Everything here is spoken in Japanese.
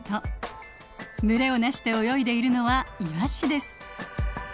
群れを成して泳いでいるのはイワシです。